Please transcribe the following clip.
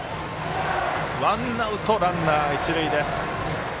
ワンアウト、ランナー、一塁です。